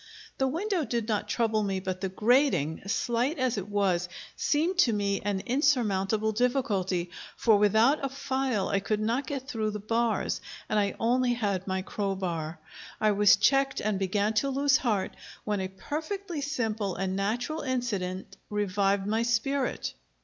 The window did not trouble me, but the grating, slight as it was, seemed to me an insurmountable difficulty, for without a file I could not get through the bars, and I only had my crowbar. I was checked, and began to lose heart, when a perfectly simple and natural incident revived my spirit....